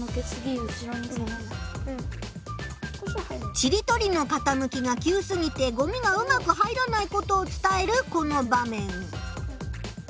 ちりとりのかたむきが急すぎてごみがうまく入らないことを伝えるこの場面。